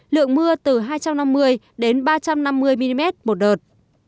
lượng mưa từ hai trăm năm mươi đến ba trăm năm mươi mm một đợt